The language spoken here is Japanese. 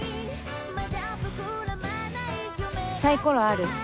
サイコロある？